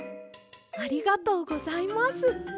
ありがとうございます！